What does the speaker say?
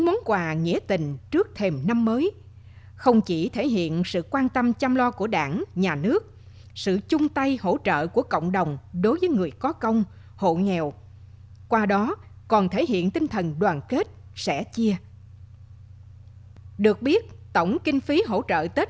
tôi cũng có cảm nghĩ đây là sự quan tâm của đảng và nhà nước đối với hộ chính sách cũng như hộ nghèo